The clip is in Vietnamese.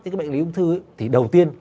những bệnh lý ung thư thì đầu tiên